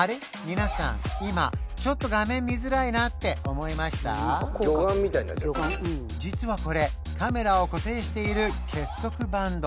皆さん今ちょっと魚眼みたいになっちゃってる実はこれカメラを固定している結束バンド